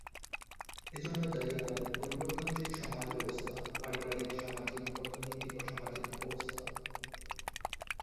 এজন্য দায়ী আমাদের পরিবর্তনশীল সমাজ ব্যবস্থা, পারিবারিক, সামাজিক, অর্থনৈতিক ও সামাজিক অবস্থা।